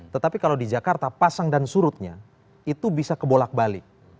tetapi kalau di jakarta pasang dan surutnya itu bisa kebolak balik